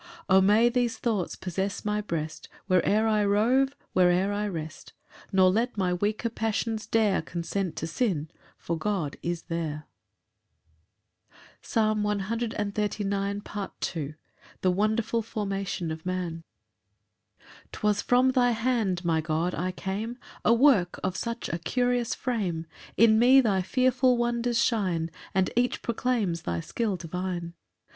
13 "O may these thoughts possess my breast, "Where'er I rove where'er I rest! "Nor let my weaker passions dare "Consent to sin, for God is there." Psalm 139:2. Second Part. L. M. The wonderful formation of man. 1 'Twas from thy hand, my God, I came, A work of such a curious frame; In me thy fearful wonders shine, And each proclaims thy skill divine.